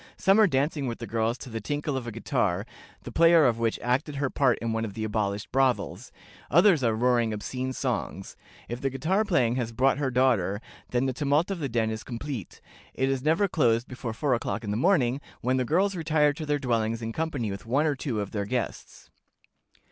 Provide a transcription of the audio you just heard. Some are dancing with the girls to the tinkle of a guitar, the player of which acted her part in one of the abolished brothels; others are roaring obscene songs. If the guitar player has brought her daughter, then the tumult of the den is complete. It is never closed before four o'clock in the morning, when the girls retire to their dwellings in company with one or the other of their guests."